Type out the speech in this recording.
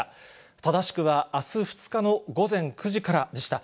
正しくは、あす２日の午前９時からでした。